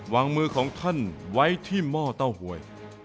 วางมือของท่านไว้ที่หม้อเต้าหวย